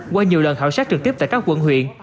qua nhiều lần khảo sát trực tiếp tại các quận huyện